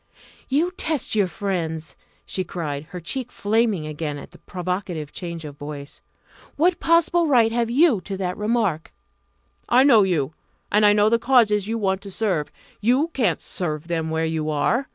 "You test your friends!" she cried, her cheek flaming again at the provocative change of voice. "What possible right have you to that remark?" "I know you, and I know the causes you want to serve. You can't serve them where you are.